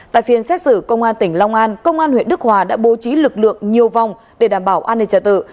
tại phiên xét xử công an tỉnh long an công an huyện đức hòa đã bố trí lực lượng nhiều vòng để đảm bảo an ninh trả tự